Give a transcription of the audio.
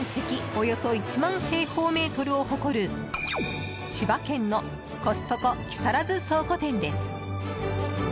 およそ１万平方メートルを誇る千葉県のコストコ木更津倉庫店です。